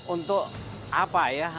untuk apa ya